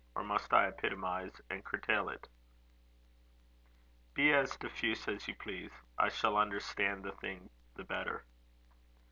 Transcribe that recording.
or must I epitomize and curtail it?" "Be as diffuse as you please. I shall understand the thing the better."